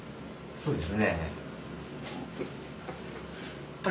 そうです。